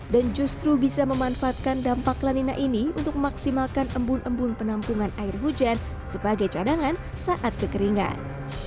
dan justru bisa memanfaatkan dampak lanina ini untuk memaksimalkan embun embun penampungan air hujan sebagai cadangan saat kekeringan